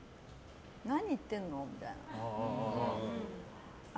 何言ってんの？みたいな。